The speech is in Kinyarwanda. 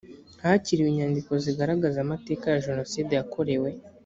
hakiriwe inyandiko zigaragaza amateka ya jenoside yakorewe